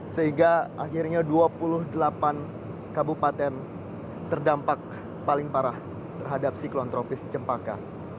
sehingga akhirnya dua puluh delapan kabupaten terdampak paling parah terhadap siklon tropis cempaka